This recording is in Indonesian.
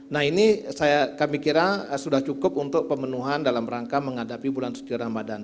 nah ini kami kira sudah cukup untuk pemenuhan dalam rangka menghadapi bulan suci ramadhan